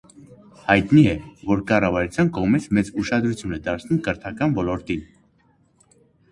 Հայտնի է, որ կառավարության կողմից մեծ ուշադրություն է դարձվում կրթական ոլորտին։